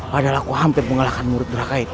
padahal aku hampir mengalahkan murid geraka itu